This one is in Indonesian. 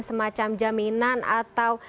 semacam jaminan atau